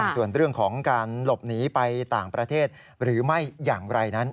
ส่วนเรื่องของการหลบหนีไปต่างประเทศหรือไม่อย่างไรนั้น